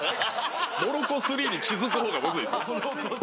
「モロコ３」に気付く方がむずいですよ。